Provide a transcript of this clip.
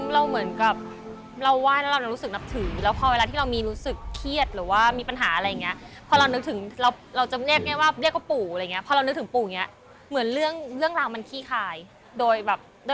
รู้สึกว่ามีปูคอยอ้างข้างเราตลอด